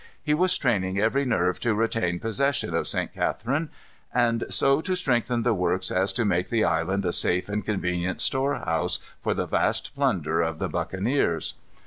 He was straining every nerve to retain possession of St. Catharine, and so to strengthen the works as to make the island a safe and convenient store house for the vast plunder of the buccaneers.